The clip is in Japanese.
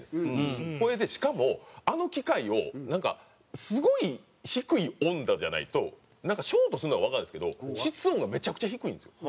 それでしかもあの機械をなんかすごい低い温度じゃないとなんかショートするのかわかんないですけど室温がめちゃくちゃ低いんですよ。